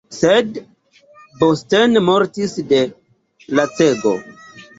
Sed Bosten mortis de lacego.